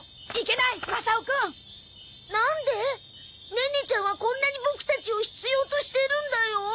ネネちゃんはこんなにボクたちを必要としてるんだよ。